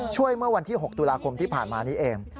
เมื่อวันที่๖ตุลาคมที่ผ่านมานี้เอง